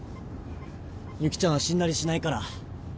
ゆきちゃんは死んだりしないから。